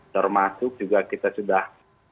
termasuk juga kita sudah